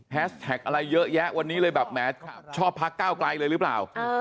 แท็กอะไรเยอะแยะวันนี้เลยแบบแหมชอบพักก้าวไกลเลยหรือเปล่า